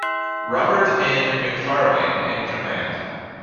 Robert N. McFarlane in command.